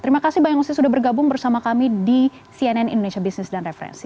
terima kasih bang yose sudah bergabung bersama kami di cnn indonesia business dan referensi